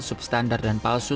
substandar dan palsu